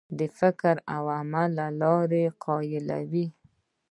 د فکر او عمل لار سړی قایلوي.